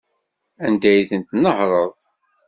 Anda ay tent-tnehṛeḍ?